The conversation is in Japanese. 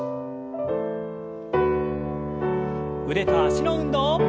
腕と脚の運動。